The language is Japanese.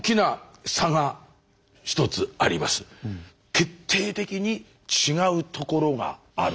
決定的に違うところがある。